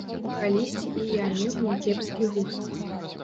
Калісьці і я меў някепскі густ.